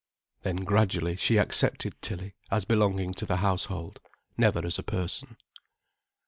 Then gradually she accepted Tilly as belonging to the household, never as a person.